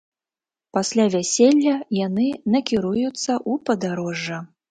Пасля вяселля яны накіруюцца ў падарожжа.